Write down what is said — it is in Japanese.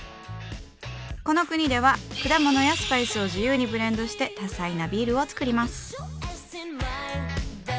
この国では果物やスパイスを自由にブレンドして多彩なビールを作ります。